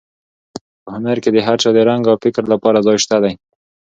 په هنر کې د هر چا د رنګ او فکر لپاره ځای شته دی.